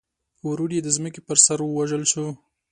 ورور یې د ځمکې پر سر ووژل شو.